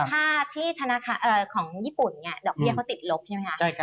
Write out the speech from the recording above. ถ้าที่ธนาคารของญี่ปุ่นเนี่ยดอกเบี้ยเขาติดลบใช่ไหมคะ